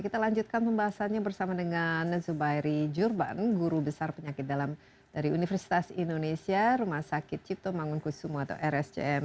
kita lanjutkan pembahasannya bersama dengan zubairi jurban guru besar penyakit dalam dari universitas indonesia rumah sakit cipto mangunkusumo atau rsjm